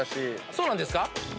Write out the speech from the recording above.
そうなんですか？